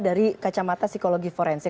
dari kacamata psikologi forensik